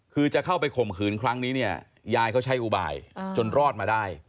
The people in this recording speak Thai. คือจะเข้าไปข่มขืนครั้งนี้เนี่ยยายเขาใช้อุบายจนรอดมาได้